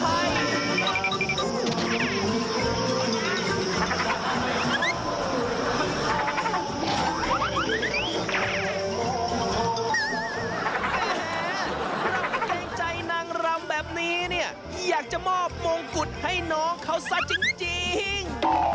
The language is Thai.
แหมใจนางรำแบบนี้เนี่ยอยากจะมอบมงกุฎให้น้องเขาซะจริง